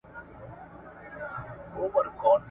چي له چا سره قدرت وي زور اوشته وي .